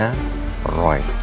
sampai merubah passwordnya